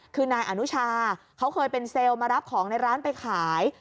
คือนายอนุชาเขาเคยเป็นเซลล์มารับของในร้านไปขาย